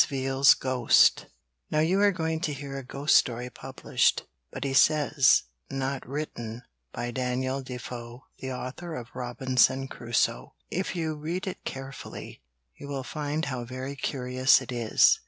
VEAL'S GHOST_ Now you are going to hear a ghost story published, but he says, not written, by Daniel Defoe the author of 'Robinson Crusoe.' If you read it carefully, you will find how very curious it is.